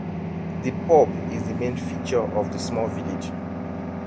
The pub is the main feature of the small village.